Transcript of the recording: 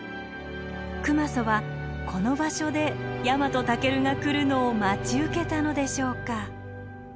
熊襲はこの場所でヤマトタケルが来るのを待ち受けたのでしょうか。